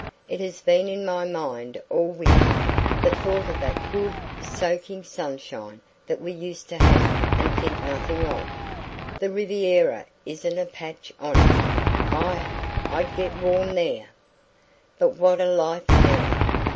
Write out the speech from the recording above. "It has been in my mind all winter the thought of that good, soaking sunshine that we used to have and think nothing of. The Riviera isn't a patch on it. Aye, I'd get warm there. But what a life now.